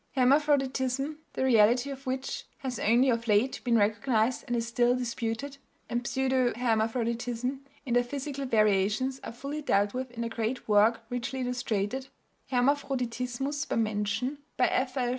Hermaphroditism (the reality of which has only of late been recognized and is still disputed) and pseudohermaphroditism; in their physical variations are fully dealt with in the great work, richly illustrated, Hermaphroditismus beim Menschen, by F.L.